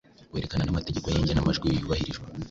werekana n’amategeko y’igenamajwi yubahirijwe.